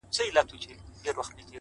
• بس یو امید دی لا راته پاته ,